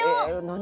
「何？